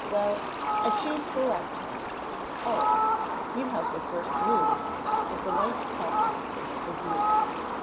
"Well I choose the left hand. Oh! You have the first move," as a white pawn came to view.